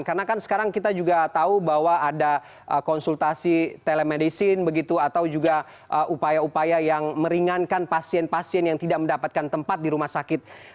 karena kan sekarang kita juga tahu bahwa ada konsultasi telemedicine begitu atau juga upaya upaya yang meringankan pasien pasien yang tidak mendapatkan tempat di rumah sakit